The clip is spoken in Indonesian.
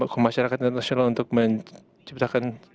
kemasyarakat internasional untuk menciptakan